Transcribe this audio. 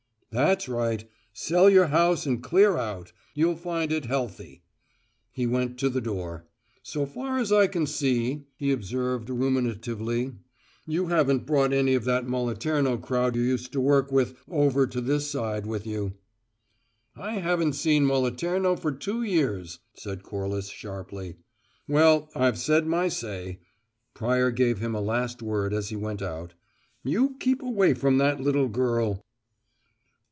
"That's right. Sell your house and clear out. You'll find it healthy." He went to the door. "So far as I can see," he observed, ruminatively, "you haven't brought any of that Moliterno crowd you used to work with over to this side with you." "I haven't seen Moliterno for two years," said Corliss, sharply. "Well, I've said my say." Pryor gave him a last word as he went out. "You keep away from that little girl."